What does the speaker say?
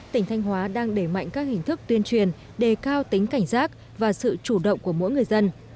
tỉnh thanh hóa đang đẩy mạnh các hình thức tuyên truyền đề cao tính cảnh giác và sự chủ động của mỗi người dân